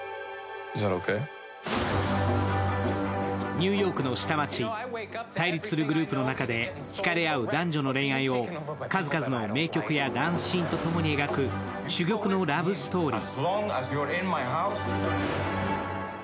ニューヨークの下町、対立するグループの中でひかれ合う男女の恋愛を数々の名曲とダンスシーンと共に描く珠玉のラブストーリー。